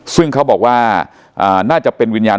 ซึ่งเขาบอกว่าน่าจะเป็นวิญญาณ